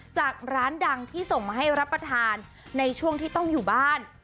จากร้านดังที่ส่งมาให้รับประทานในช่วงที่ต้องอยู่บ้าน